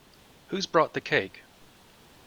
Who's brought the cake?